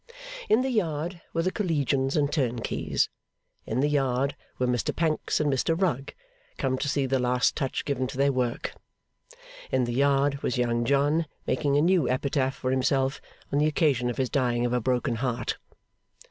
In the yard, were the Collegians and turnkeys. In the yard, were Mr Pancks and Mr Rugg, come to see the last touch given to their work. In the yard, was Young John making a new epitaph for himself, on the occasion of his dying of a broken heart.